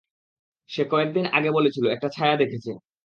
সে কয়েকদিন আগে বলেছিল একটা ছায়া দেখেছে।